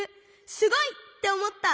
すごい！」っておもった！